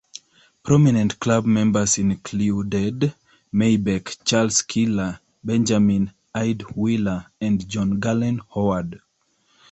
Prominent club members included Maybeck, Charles Keeler, Benjamin Ide Wheeler, and John Galen Howard.